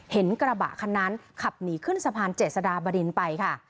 เห็นกระบะคันนั้นขับหนีขึ้นสะพานเจษฎาบดินไปค่ะ